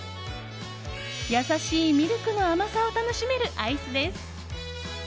優しいミルクの甘さを楽しめるアイスです。